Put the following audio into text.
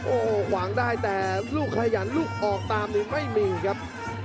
โอ้โหขวางได้แต่ลูกขยันลูกออกตามหรือไม่มีครับ